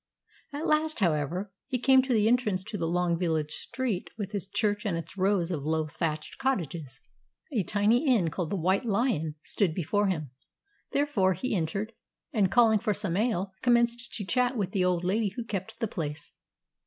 At last, however, he came to the entrance to the long village street, with its church and its rows of low thatched cottages. A tiny inn, called the "White Lion," stood before him, therefore he entered, and calling for some ale, commenced to chat with the old lady who kept the place.